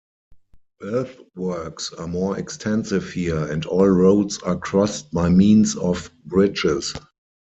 Earthworks are more extensive here, and all roads are crossed by means of bridges.